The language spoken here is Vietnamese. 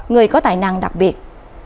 người có tài năng đặc biệt